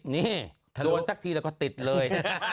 นี่โดนสักทีแล้วก็ติดเลย